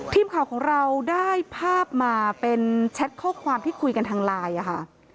ทีมข่าวของเราได้ภาพมาเป็นแชทข้อความที่คุยกันทางไลน์ค่ะ